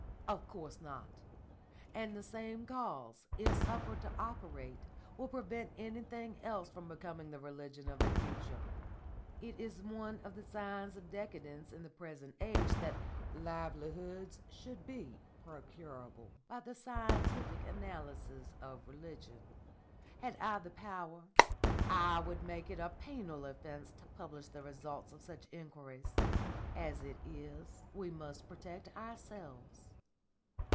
"Of course not. And the same cause, if suffered to operate, will prevent anything else from becoming the religion of the future. It is one of the signs of decadence in the present age that livelihoods should be procurable by the scientific analysis of religion. Had I the power, I would make it a penal offence to publish the results of such inquiries. As it is, we must protect ourselves.